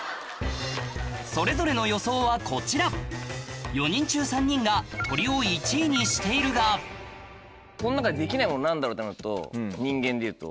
それぞれの予想はこちら４人中３人が鳥を１位にしているが何だろう？ってなると人間でいうと。